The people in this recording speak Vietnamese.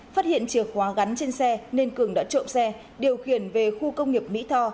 phát hiện chìa khóa gắn trên xe nên cường đã trộm xe điều khiển về khu công nghiệp mỹ tho